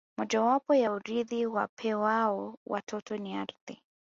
Mojawapo ya urithi wapewao watoto ni ardhi